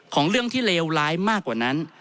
เรื่องที่เลวร้ายมากกว่านั้น